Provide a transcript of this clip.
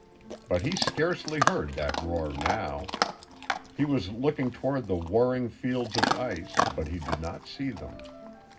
But he scarcely heard that roar now. He was looking toward the warring fields of ice, but he did not see them.